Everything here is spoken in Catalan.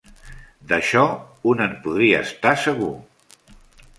D'això un en podria estar segur.